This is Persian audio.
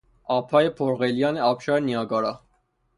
آبهای پر غلیان آبشار نیاگارا